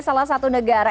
salah satu negara